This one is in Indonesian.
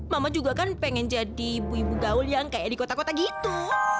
mama juga kan pengen jadi ibu ibu gaul yang kayak di kota kota gitu